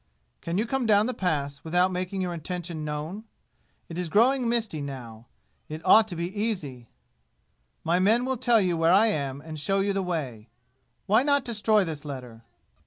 Can you come down the Pass without making your intention known? It is growing misty now. It ought to be easy. My men will tell you where I am and show you the way. Why not destroy this letter?